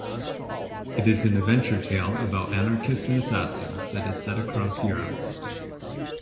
It is an adventure tale about anarchists and assassins that is set across Europe.